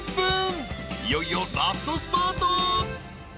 ［いよいよラストスパート］